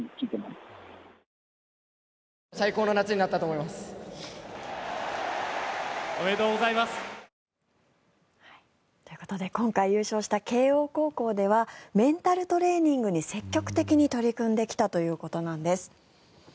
これは選手たち自ら決めたという。ということで今回優勝した慶応高校ではメンタルトレーニングに積極的に取り組んできたということなんです。